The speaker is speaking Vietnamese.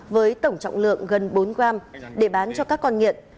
với tổng trọng lượng gần bốn gram để bán cho các con nghiện